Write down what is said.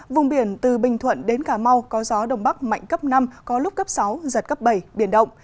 vùng biển từ bình thuận đến cà mau có gió đông bắc mạnh cấp năm có lúc cấp sáu giật cấp bảy biển động